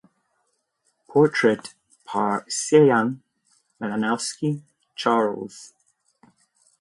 Portrait par Syliane Malinowski-Charles.